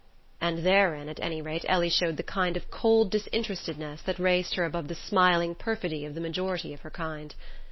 And therein at any rate Ellie showed the kind of cold disinterestedness that raised her above the smiling perfidy of the majority of her kind.